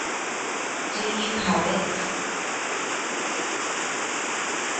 Do you have it?